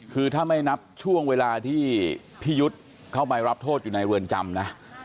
คือถ้าไม่นับช่วงเวลาที่พี่ยุทธ์เข้าไปรับโทษอยู่ในเรือนจำนะ